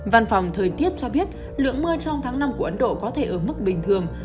văn phòng thời tiết cho biết lượng mưa trong tháng năm của ấn độ có thể ở mức bình thường